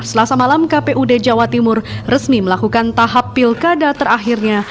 selasa malam kpud jawa timur resmi melakukan tahap pilkada terakhirnya